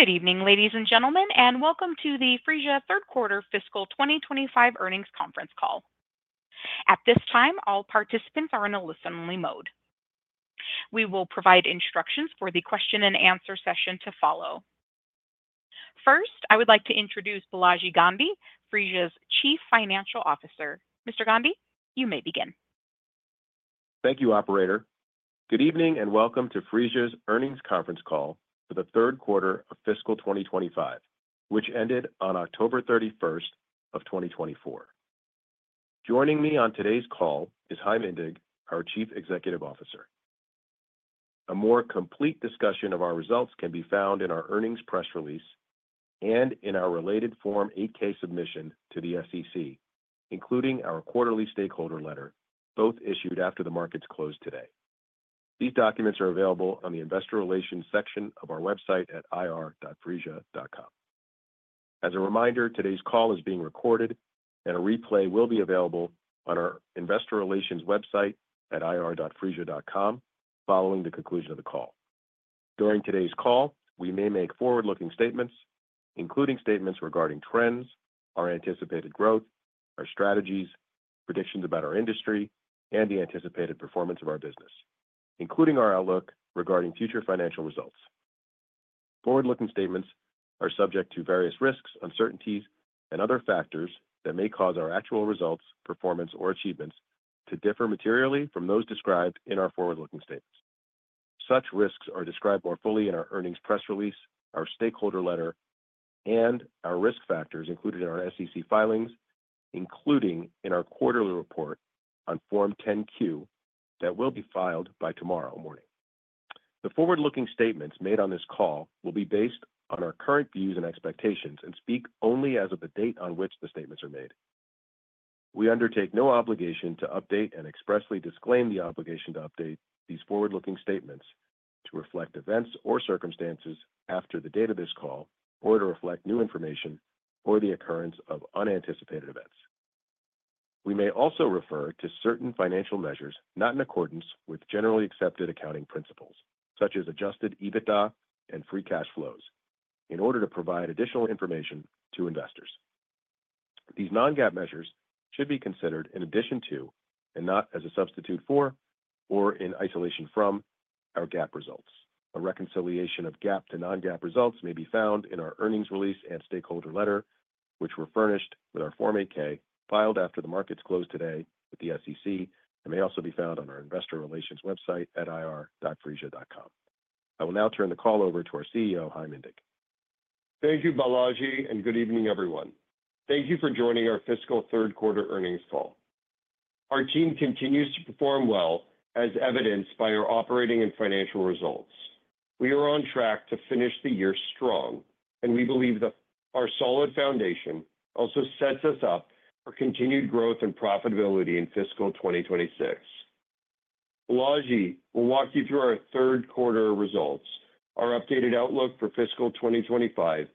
Good evening, ladies and gentlemen, and welcome to the Phreesia Q3 Fiscal 2025 Earnings Conference Call. At this time, all participants are in a listen-only mode. We will provide instructions for the question-and-answer session to follow. First, I would like to introduce Balaji Gandhi, Phreesia's Chief Financial Officer. Mr. Gandhi, you may begin. Thank you, Operator. Good evening and welcome to Phreesia's Earnings Conference Call for the Third Quarter of Fiscal 2025, which ended on 31st October 2024. Joining me on today's call is Chaim Indig, our Chief Executive Officer. A more complete discussion of our results can be found in our earnings press release and in our related Form 8-K submission to the SEC, including our quarterly stakeholder letter, both issued after the markets closed today. These documents are available on the Investor Relations section of our website at ir.phreesia.com. As a reminder, today's call is being recorded, and a replay will be available on our Investor Relations website at ir.phreesia.com following the conclusion of the call. During today's call, we may make forward-looking statements, including statements regarding trends, our anticipated growth, our strategies, predictions about our industry, and the anticipated performance of our business, including our outlook regarding future financial results. Forward-looking statements are subject to various risks, uncertainties, and other factors that may cause our actual results, performance, or achievements to differ materially from those described in our forward-looking statements. Such risks are described more fully in our earnings press release, our stakeholder letter, and our risk factors included in our SEC filings, including in our quarterly report on Form 10-Q that will be filed by tomorrow morning. The forward-looking statements made on this call will be based on our current views and expectations and speak only as of the date on which the statements are made. We undertake no obligation to update and expressly disclaim the obligation to update these forward-looking statements to reflect events or circumstances after the date of this call or to reflect new information or the occurrence of unanticipated events. We may also refer to certain financial measures not in accordance with generally accepted accounting principles, such as Adjusted EBITDA and free cash flows, in order to provide additional information to investors. These non-GAAP measures should be considered in addition to, and not as a substitute for, or in isolation from our GAAP results. A reconciliation of GAAP to non-GAAP results may be found in our earnings release and stakeholder letter, which were furnished with our Form 8-K filed after the markets closed today with the SEC and may also be found on our Investor Relations website at ir.phreesia.com. I will now turn the call over to our CEO, Chaim Indig. Thank you, Balaji, and good evening, everyone. Thank you for joining our Fiscal Q3 Earnings Call. Our team continues to perform well, as evidenced by our operating and financial results. We are on track to finish the year strong, and we believe that our solid foundation also sets us up for continued growth and profitability in Fiscal 2026. Balaji will walk you through our Third Quarter results, our updated outlook for Fiscal 2025,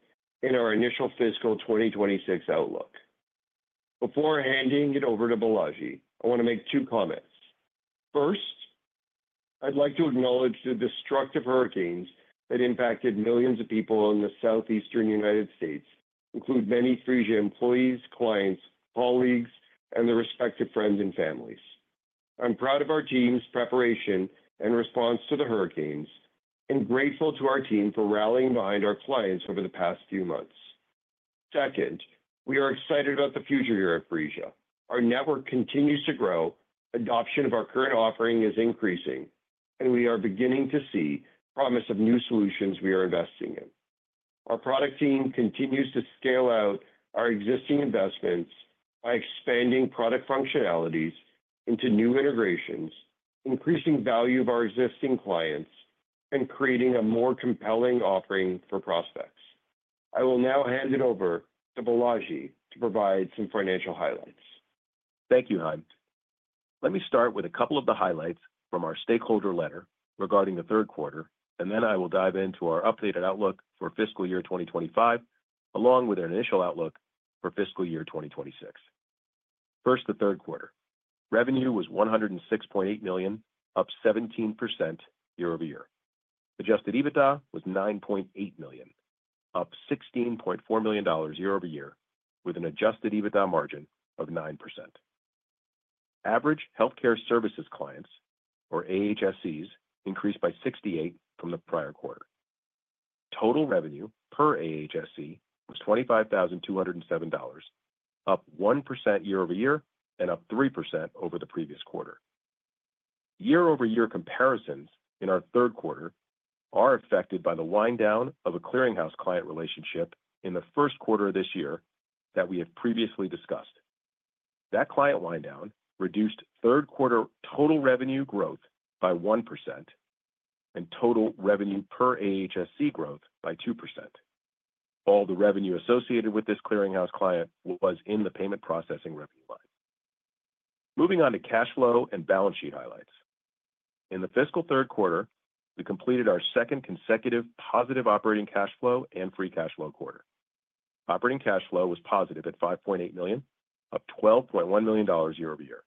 and our initial Fiscal 2026 outlook. Before handing it over to Balaji, I want to make two comments. First, I'd like to acknowledge the destructive hurricanes that impacted millions of people in the Southeastern United States, including many Phreesia employees, clients, colleagues, and their respective friends and families. I'm proud of our team's preparation and response to the hurricanes and grateful to our team for rallying behind our clients over the past few months. Second, we are excited about the future here at Phreesia. Our network continues to grow, adoption of our current offering is increasing, and we are beginning to see the promise of new solutions we are investing in. Our product team continues to scale out our existing investments by expanding product functionalities into new integrations, increasing the value of our existing clients, and creating a more compelling offering for prospects. I will now hand it over to Balaji to provide some financial highlights. Thank you, Chaim. Let me start with a couple of the highlights from our stakeholder letter regarding the Q3, and then I will dive into our updated outlook for Fiscal Year 2025, along with our initial outlook for Fiscal Year 2026. First,Q3. Revenue was $106.8 million, up 17% year over year. Adjusted EBITDA was $9.8 million, up $16.4 million year over year, with an adjusted EBITDA margin of 9%. Average healthcare services clients, or AHSCs, increased by 68% from the prior quarter. Total revenue per AHSC was $25,207, up 1% year over year and up 3% over the previous quarter. Year-over-year comparisons in our third quarter are affected by the wind-down of a clearinghouse client relationship in the first quarter of this year that we have previously discussed. That client wind-down reduced third quarter total revenue growth by 1% and total revenue per AHSC growth by 2%. All the revenue associated with this clearinghouse client was in the payment processing revenue line. Moving on to cash flow and balance sheet highlights. In the fiscal third quarter, we completed our second consecutive positive operating cash flow and free cash flow quarter. Operating cash flow was positive at $5.8 million, up $12.1 million year over year.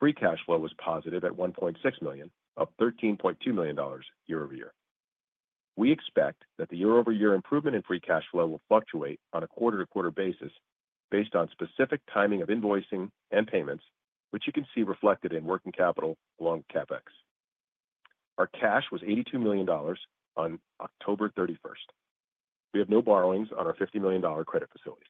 Free cash flow was positive at $1.6 million, up $13.2 million year over year. We expect that the year-over-year improvement in free cash flow will fluctuate on a quarter-to-quarter basis based on specific timing of invoicing and payments, which you can see reflected in working capital along with CapEx. Our cash was $82 million on October 31st. We have no borrowings on our $50 million credit facilities.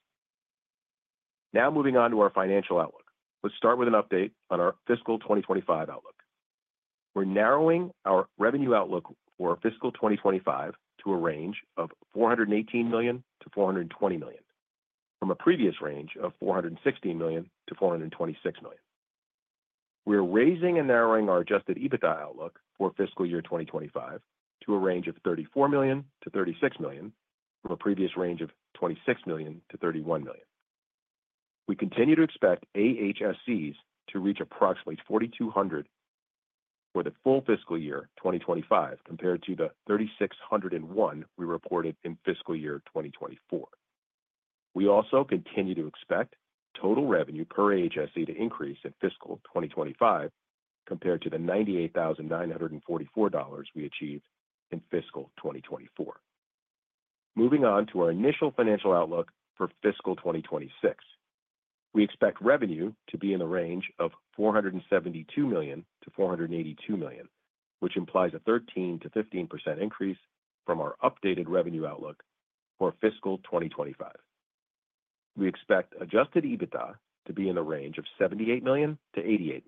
Now, moving on to our financial outlook, let's start with an update on our Fiscal 2025 outlook. We're narrowing our revenue outlook for Fiscal 2025 to a range of $418 million-$420 million, from a previous range of $416 million-$426 million. We're raising and narrowing our Adjusted EBITDA outlook for Fiscal Year 2025 to a range of $34 million-$36 million, from a previous range of $26 million-$31 million. We continue to expect AHSCs to reach approximately 4,200 for the full fiscal year 2025, compared to the 3,601 we reported in Fiscal Year 2024. We also continue to expect total revenue per AHSC to increase in Fiscal 2025, compared to the $98,944 we achieved in Fiscal 2024. Moving on to our initial financial outlook for Fiscal 2026, we expect revenue to be in the range of $472 million-$482 million, which implies a 13%-15% increase from our updated revenue outlook for Fiscal 2025. We expect Adjusted EBITDA to be in the range of $78 million-$88 million,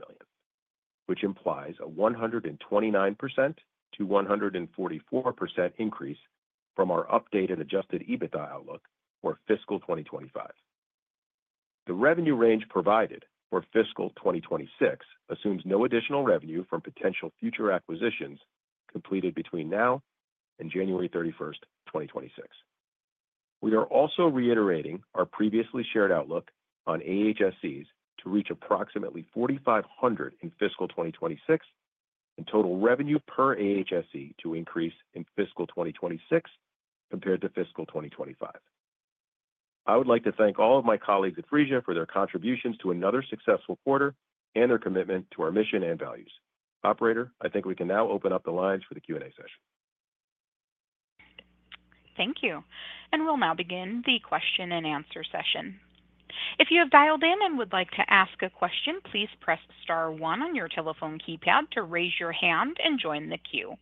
which implies a 129%-144% increase from our updated Adjusted EBITDA outlook for Fiscal 2025. The revenue range provided for Fiscal 2026 assumes no additional revenue from potential future acquisitions completed between now and 31st January 2026. We are also reiterating our previously shared outlook on AHSCs to reach approximately 4,500 in Fiscal 2026 and total revenue per AHSC to increase in Fiscal 2026 compared to Fiscal 2025. I would like to thank all of my colleagues at Phreesia for their contributions to another successful quarter and their commitment to our mission and values. Operator, I think we can now open up the lines for the Q&A session. Thank you. And we'll now begin the question-and-answer session. If you have dialed in and would like to ask a question, please press Star one on your telephone keypad to raise your hand and join the queue.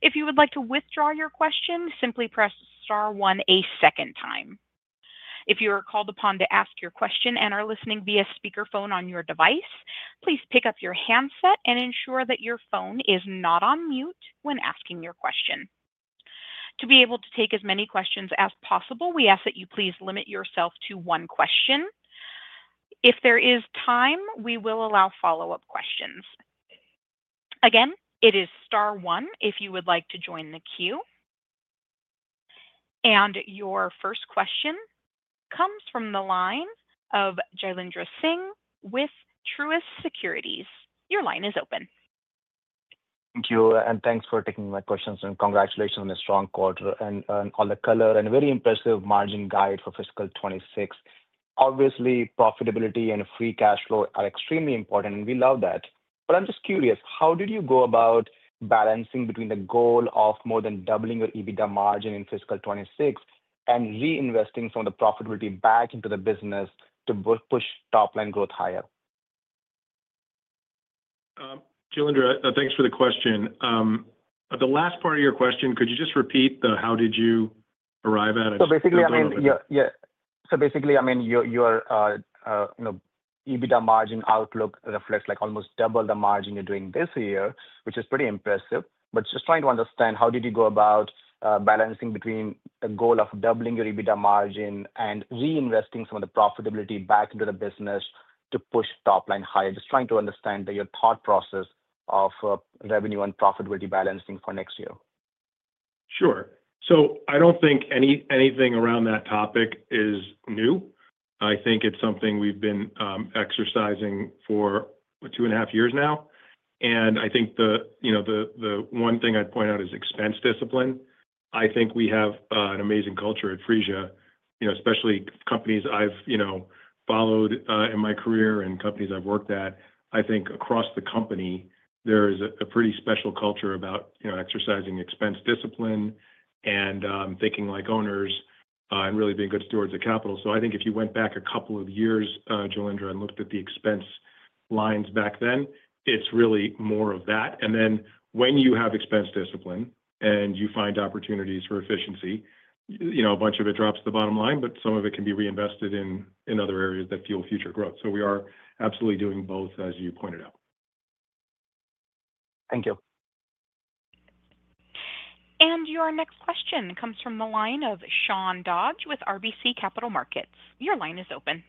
If you would like to withdraw your question, simply press star one a second time. If you are called upon to ask your question and are listening via speakerphone on your device, please pick up your handset and ensure that your phone is not on mute when asking your question. To be able to take as many questions as possible, we ask that you please limit yourself to one question. If there is time, we will allow follow-up questions. Again, it is star one if you would like to join the queue. And your first question comes from the line of Jailendra Singh with Truist Securities. Your line is open. Thank you, and thanks for taking my questions. And congratulations on a strong quarter and on all the color and very impressive margin guide for Fiscal 2026. Obviously, profitability and free cash flow are extremely important, and we love that. But I'm just curious, how did you go about balancing between the goal of more than doubling your EBITDA margin in Fiscal 2026 and reinvesting some of the profitability back into the business to both push top-line growth higher? Jailendra, thanks for the question. The last part of your question, could you just repeat the how did you arrive at? So basically, I mean, your EBITDA margin outlook reflects almost double the margin you're doing this year, which is pretty impressive. But just trying to understand, how did you go about balancing between the goal of doubling your EBITDA margin and reinvesting some of the profitability back into the business to push top-line higher? Just trying to understand your thought process of revenue and profitability balancing for next year. Sure. I don't think anything around that topic is new. I think it's something we've been exercising for two and a half years now. I think the one thing I'd point out is expense discipline. I think we have an amazing culture at Phreesia, especially companies I've followed in my career and companies I've worked at. I think across the company, there is a pretty special culture about exercising expense discipline and thinking like owners and really being good stewards of capital. I think if you went back a couple of years, Jailendra, and looked at the expense lines back then, it's really more of that. When you have expense discipline and you find opportunities for efficiency, a bunch of it drops the bottom line, but some of it can be reinvested in other areas that fuel future growth. We are absolutely doing both, as you pointed out. Thank you. Your next question comes from the line of Sean Dodge with RBC Capital Markets. Your line is open.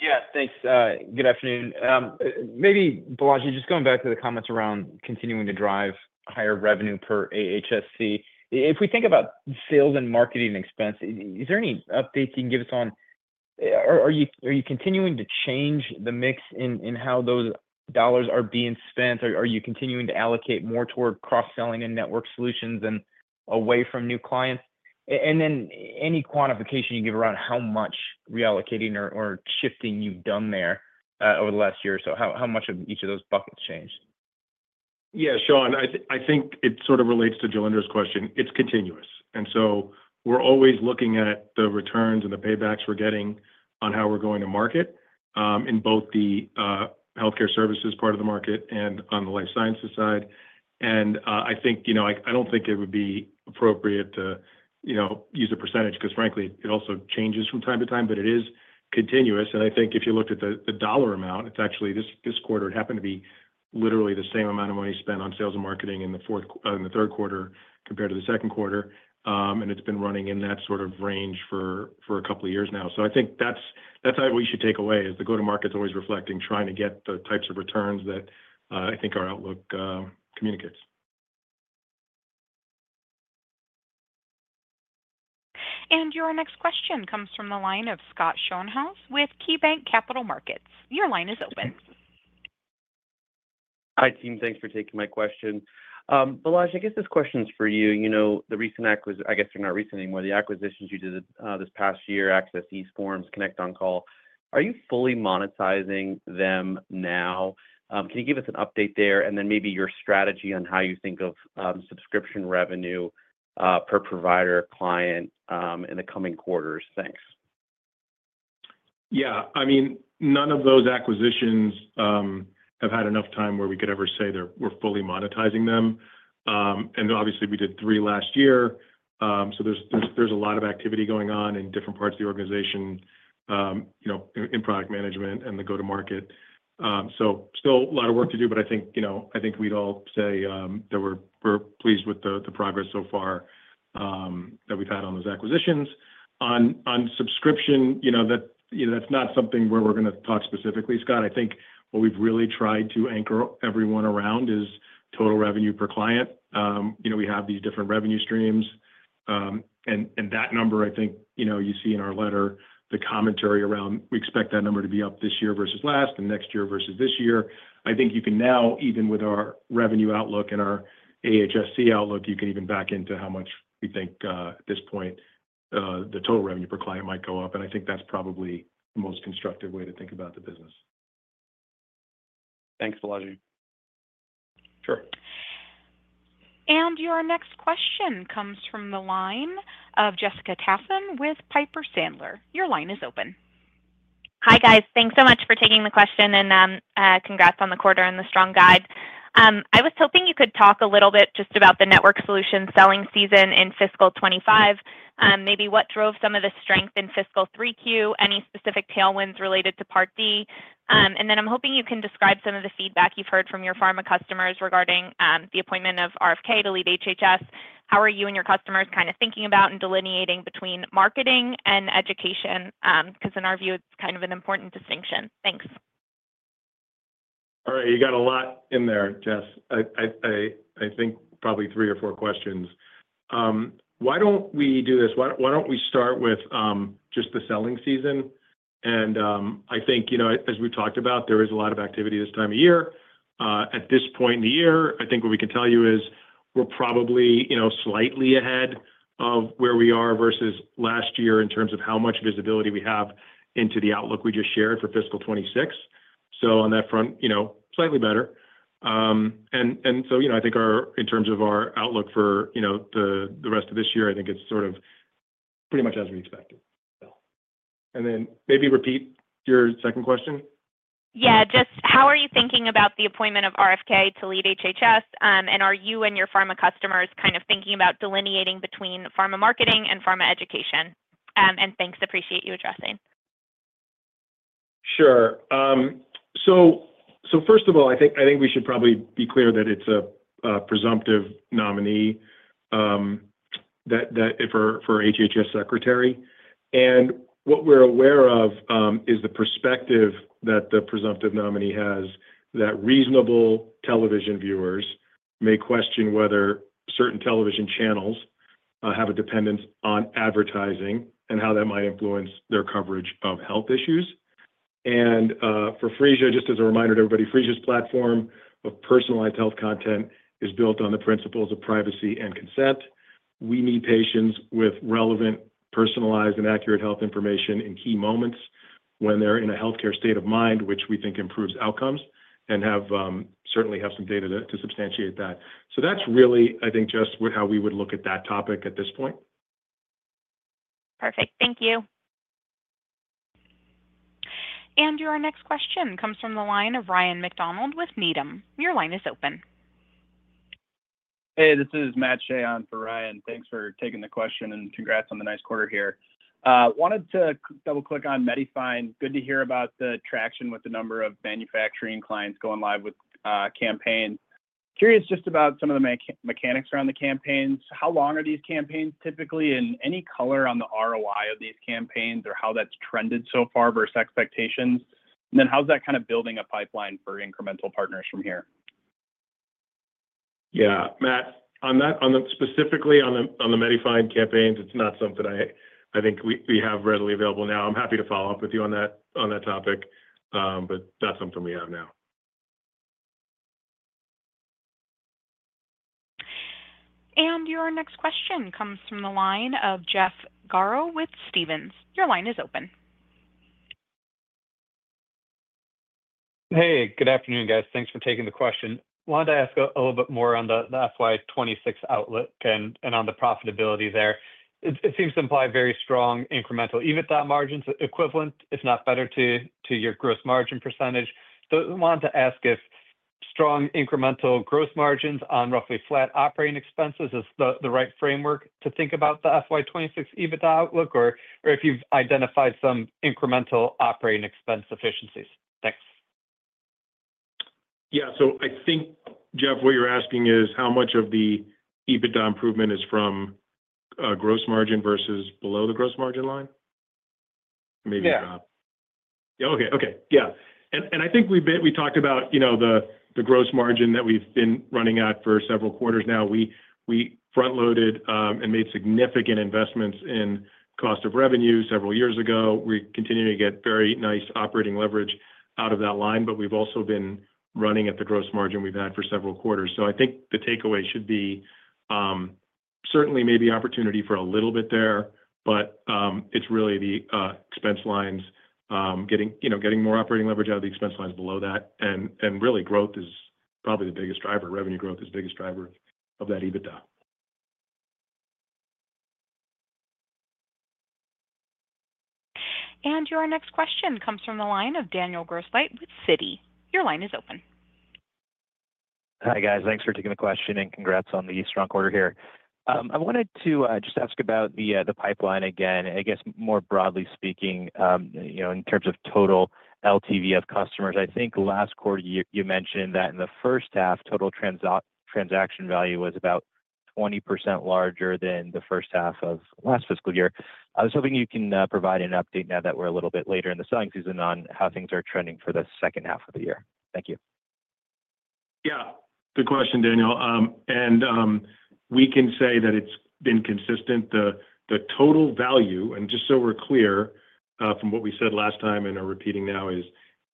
Yeah, thanks. Good afternoon. Maybe, Balaji, just going back to the comments around continuing to drive higher revenue per AHSC. If we think about sales and marketing expense, is there any update you can give us on, are you continuing to change the mix in how those dollars are being spent? Are you continuing to allocate more toward cross-selling and network solutions and away from new clients? And then any quantification you give around how much reallocating or shifting you've done there over the last year or so, how much have each of those buckets changed? Yeah, Sean, I think it sort of relates to Jailendra's question. It's continuous. And so we're always looking at the returns and the paybacks we're getting on how we're going to market in both the healthcare services part of the market and on the life sciences side. And I think I don't think it would be appropriate to use a percentage because, frankly, it also changes from time to time, but it is continuous. And I think if you looked at the dollar amount, it's actually this quarter happened to be literally the same amount of money spent on sales and marketing in the third quarter compared to the Q2. And it's been running in that sort of range for a couple of years now. So I think that's what you should take away, is the go-to-market's always reflecting, trying to get the types of returns that I think our outlook communicates. And your next question comes from the line of Scott Schoenhaus with KeyBanc Capital Markets. Your line is open. Hi, team. Thanks for taking my question. Balaji, I guess this question's for you. The recent acquisition, I guess they're not recent anymore, the acquisitions you did this past year, Access eForms, ConnectOnCall. Are you fully monetizing them now? Can you give us an update there? And then maybe your strategy on how you think of subscription revenue per provider client in the coming quarters? Thanks. Yeah. I mean, none of those acquisitions have had enough time where we could ever say we're fully monetizing them. And obviously, we did three last year. So there's a lot of activity going on in different parts of the organization, in product management and the go-to-market. So still a lot of work to do, but I think we'd all say that we're pleased with the progress so far that we've had on those acquisitions. On subscription, that's not something where we're going to talk specifically. Scott, I think what we've really tried to anchor everyone around is total revenue per client. We have these different revenue streams. And that number, I think you see in our letter, the commentary around we expect that number to be up this year versus last and next year versus this year. I think you can now, even with our revenue outlook and our AHSC outlook, you can even back into how much we think at this point the total revenue per client might go up. And I think that's probably the most constructive way to think about the business. Thanks, Balaji. Sure. And your next question comes from the line of Jessica Tassin with Piper Sandler. Your line is open. Hi, guys. Thanks so much for taking the question and congrats on the quarter and the strong guide. I was hoping you could talk a little bit just about the network solution selling season in fiscal 2025, maybe what drove some of the strength in fiscal 3Q, any specific tailwinds related to Part D, and then I'm hoping you can describe some of the feedback you've heard from your pharma customers regarding the appointment of RFK to lead HHS. How are you and your customers kind of thinking about and delineating between marketing and education? Because in our view, it's kind of an important distinction. Thanks. All right. You got a lot in there, Jess. I think probably three or four questions. Why don't we do this? Why don't we start with just the selling season? And I think, as we've talked about, there is a lot of activity this time of year. At this point in the year, I think what we can tell you is we're probably slightly ahead of where we are versus last year in terms of how much visibility we have into the outlook we just shared for fiscal 2026. So on that front, slightly better. And so I think in terms of our outlook for the rest of this year, I think it's sort of pretty much as we expected. And then maybe repeat your second question. Yeah. Just how are you thinking about the appointment of RFK to lead HHS? And are you and your pharma customers kind of thinking about delineating between pharma marketing and pharma education? And thanks, appreciate you addressing. Sure. So first of all, I think we should probably be clear that it's a presumptive nominee for HHS secretary. And what we're aware of is the perspective that the presumptive nominee has that reasonable television viewers may question whether certain television channels have a dependence on advertising and how that might influence their coverage of health issues. And for Phreesia, just as a reminder to everybody, Phreesia's platform of personalized health content is built on the principles of privacy and consent. We need patients with relevant, personalized, and accurate health information in key moments when they're in a healthcare state of mind, which we think improves outcomes and certainly have some data to substantiate that. So that's really, I think, just how we would look at that topic at this point. Perfect. Thank you. And your next question comes from the line of Ryan MacDonald with Needham. Your line is open. Hey, this is Matt Shea for Ryan. Thanks for taking the question and congrats on the nice quarter here. Wanted to double-click on MediFind. Good to hear about the traction with the number of manufacturing clients going live with campaigns. Curious just about some of the mechanics around the campaigns. How long are these campaigns typically and any color on the ROI of these campaigns or how that's trended so far versus expectations? And then how's that kind of building a pipeline for incremental partners from here? Yeah. Matt, specifically on the MediFind campaigns, it's not something I think we have readily available now. I'm happy to follow up with you on that topic, but that's something we have now. Your next question comes from the line of Jeff Garro with Stephens. Your line is open. Hey, good afternoon, guys. Thanks for taking the question. Wanted to ask a little bit more on the FY 2026 outlook and on the profitability there. It seems to imply very strong incremental EBITDA margins equivalent, if not better, to your gross margin percentage. So I wanted to ask if strong incremental gross margins on roughly flat operating expenses is the right framework to think about the FY 2026 EBITDA outlook or if you've identified some incremental operating expense efficiencies? Thanks. Yeah. So I think, Jeff, what you're asking is how much of the EBITDA improvement is from gross margin versus below the gross margin line? Maybe a drop. Yeah. And I think we talked about the gross margin that we've been running at for several quarters now. We front-loaded and made significant investments in cost of revenue several years ago. We continue to get very nice operating leverage out of that line, but we've also been running at the gross margin we've had for several quarters. So I think the takeaway should be certainly maybe opportunity for a little bit there, but it's really the expense lines getting more operating leverage out of the expense lines below that. And really, growth is probably the biggest driver. Revenue growth is the biggest driver of that EBITDA. Your next question comes from the line of Daniel Grosslight with Citi. Your line is open. Hi, guys. Thanks for taking the question and congrats on the strong quarter here. I wanted to just ask about the pipeline again. I guess more broadly speaking, in terms of total LTV of customers, I think last quarter you mentioned that in the first half, total transaction value was about 20% larger than the first half of last fiscal year. I was hoping you can provide an update now that we're a little bit later in the selling season on how things are trending for the second half of the year. Thank you. Yeah. Good question, Daniel. And we can say that it's been consistent. The total value, and just so we're clear from what we said last time and are repeating now, is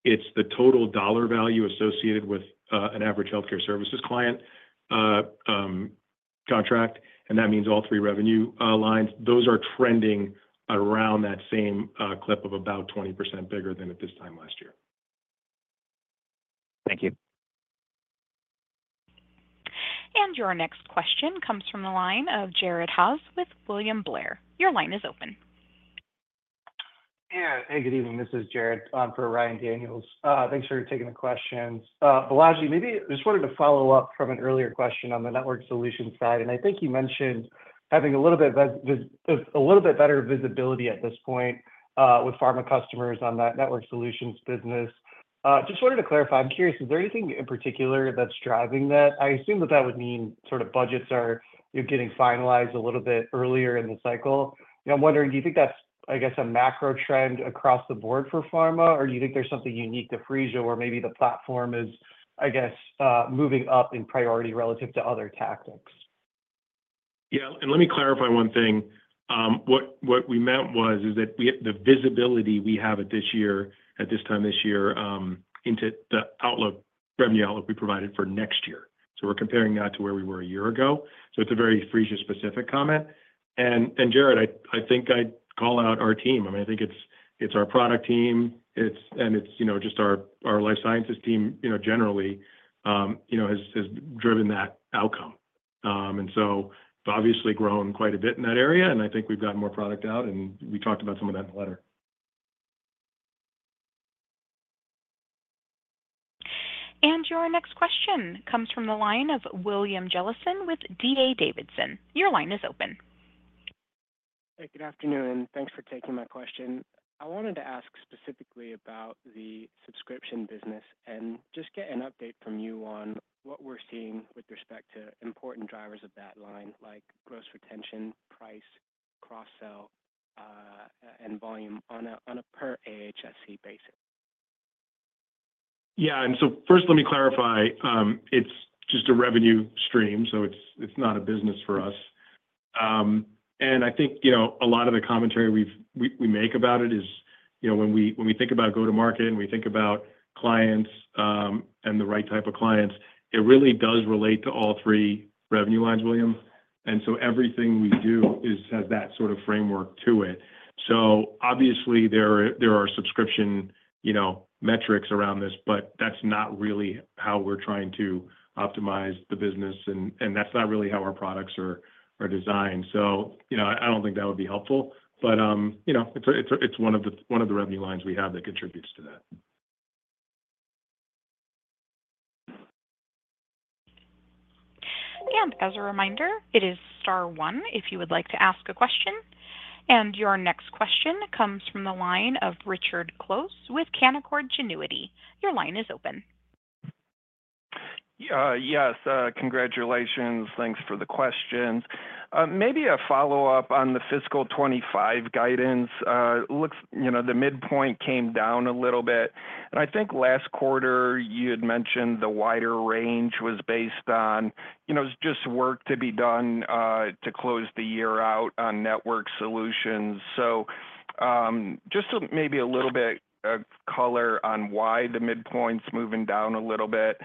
it's the total dollar value associated with an average healthcare services client contract. And that means all three revenue lines. Those are trending around that same clip of about 20% bigger than at this time last year. Thank you. Your next question comes from the line of Jared Haase with William Blair. Your line is open. Yeah. Hey, good evening. This is Jared for Ryan Daniels. Thanks for taking the questions. Balaji, maybe I just wanted to follow up from an earlier question on the network solution side, and I think you mentioned having a little bit better visibility at this point with pharma customers on that network solutions business. Just wanted to clarify. I'm curious, is there anything in particular that's driving that? I assume that that would mean sort of budgets are getting finalized a little bit earlier in the cycle. I'm wondering, do you think that's, I guess, a macro trend across the board for pharma, or do you think there's something unique to Phreesia where maybe the platform is, I guess, moving up in priority relative to other tactics? Yeah. And let me clarify one thing. What we meant was that the visibility we have at this time this year into the revenue outlook we provided for next year. So we're comparing that to where we were a year ago. So it's a very Phreesia-specific comment. And Jared, I think I'd call out our team. I mean, I think it's our product team, and it's just our life sciences team generally has driven that outcome. And so we've obviously grown quite a bit in that area, and I think we've gotten more product out, and we talked about some of that in the letter. And your next question comes from the line of William Jellison with D.A. Davidson. Your line is open. Hey, good afternoon. Thanks for taking my question. I wanted to ask specifically about the subscription business and just get an update from you on what we're seeing with respect to important drivers of that line, like gross retention, price, cross-sell, and volume on a per-AHSC basis. Yeah. And so first, let me clarify. It's just a revenue stream, so it's not a business for us. And I think a lot of the commentary we make about it is when we think about go-to-market and we think about clients and the right type of clients, it really does relate to all three revenue lines, William. And so everything we do has that sort of framework to it. So obviously, there are subscription metrics around this, but that's not really how we're trying to optimize the business, and that's not really how our products are designed. So I don't think that would be helpful, but it's one of the revenue lines we have that contributes to that. As a reminder, it is star one if you would like to ask a question. Your next question comes from the line of Richard Close with Canaccord Genuity. Your line is open. Yes. Congratulations. Thanks for the questions. Maybe a follow-up on the fiscal 2025 guidance. The midpoint came down a little bit, and I think last quarter, you had mentioned the wider range was based on just work to be done to close the year out on network solutions, so just maybe a little bit of color on why the midpoint's moving down a little bit.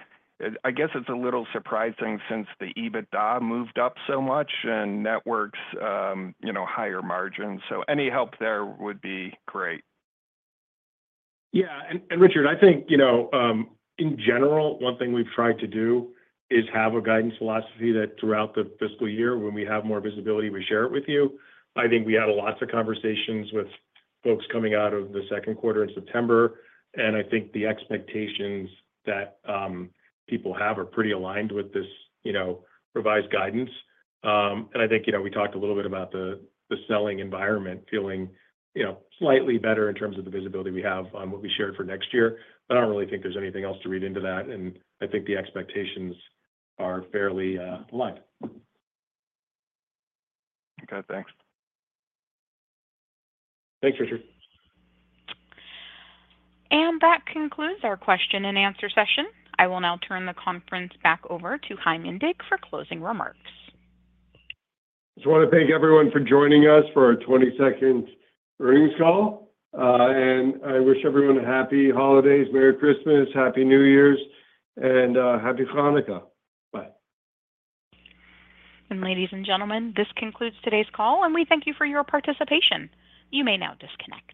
I guess it's a little surprising since the EBITDA moved up so much and networks' higher margins, so any help there would be great. Yeah, and Richard, I think in general, one thing we've tried to do is have a guidance philosophy that throughout the fiscal year, when we have more visibility, we share it with you. I think we had lots of conversations with folks coming out of the second quarter in September, and I think the expectations that people have are pretty aligned with this revised guidance. I think we talked a little bit about the selling environment feeling slightly better in terms of the visibility we have on what we shared for next year, but I don't really think there's anything else to read into that. I think the expectations are fairly aligned. Okay. Thanks. Thanks, Richard. That concludes our question-and-answer session. I will now turn the conference back over to Chaim Indig for closing remarks. Just want to thank everyone for joining us for our 22nd earnings call. And I wish everyone happy holidays, Merry Christmas, Happy New Year's, and Happy Chanukah. Bye. Ladies and gentlemen, this concludes today's call, and we thank you for your participation. You may now disconnect.